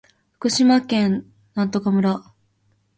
福島県檜枝岐村